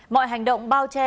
mọi hành động bao che